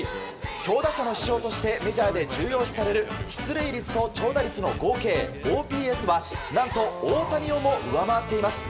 強打者の指標としてメジャーで重要視される出塁率と長打率の合計ＯＰＳは何と大谷をも上回っています。